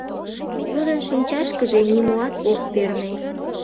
Тудын шинчашкыже нимоат ок перне.